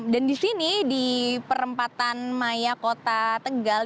dan di sini di perempatan maya kota tegal